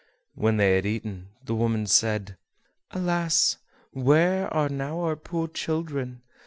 When they had eaten, the woman said: "Alas! where are now our poor children?